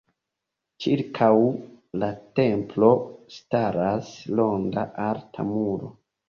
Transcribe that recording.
Ĉirkaŭ la templo staras ronda alta muro.